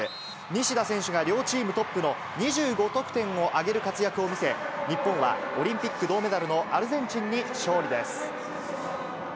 西田選手が両チームトップの２５得点を挙げる活躍を見せ、日本はオリンピック銅メダルのアルゼンチンに勝利です。